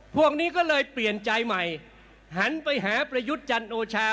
พวกนี้ก็เลยเปลี่ยนใจใหม่หันไปหาประยุทธ์จันโอชา